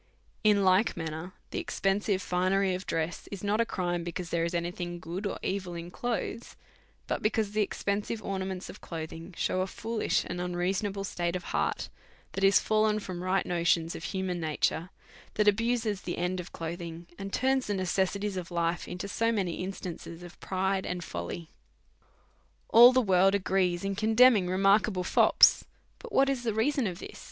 In like manner, the expensive finery of dress is not a crime, because there is any thing good or evil in clothes, but because the expensive ornaments of cloth ing* shew a foolish and unreasonable state of hearty that is fallen from right notions of human nature, that abuses the end of clothing, and turns the necessities of life into so many instances of pride and folly. All the world agree in condemning remarkable fops. Now, what is the reason of it